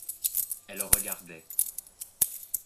Elle regardait.